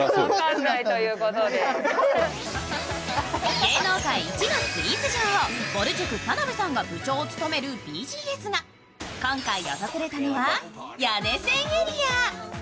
芸能界一のスイーツ女王ぼる塾・田辺さんが部長を務めるＢＧＳが今回訪れたのは谷根千エリア。